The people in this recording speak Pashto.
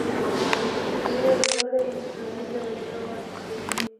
ډېره لوړه انساني درجه ورکړي.